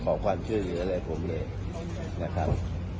ขอบคุณครับขอบคุณมากครับ